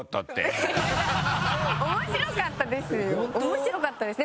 面白かったです。